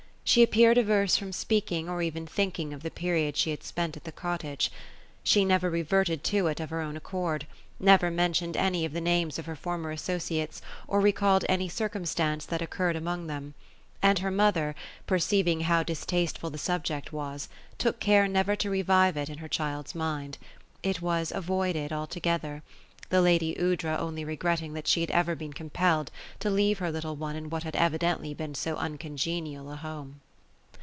She appeared averse from speaking, or even thinking, of the period she had spent at the cottage. She never reverted to it of her own accord ; never mentioned any of the names of her former associates, or recalled any circumstance that occurred among them ] and her mother, perceiving how distasteful the subject was, took care never to revive it in her child's mind. It was avoided altogether ; the lady Aoudra only regretting that she had ever been compelled to leave her little one in what had evidently been so uncongenial a home.